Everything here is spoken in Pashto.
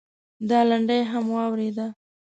دا لنډۍ هم واورېده.